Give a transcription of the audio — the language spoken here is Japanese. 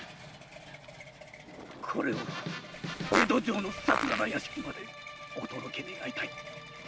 これを江戸城の桜田屋敷までお届け願いたい。